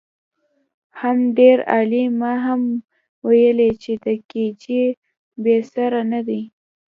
حم ډېر عالي ما خو ويلې چې د کي جي بي سره ندی.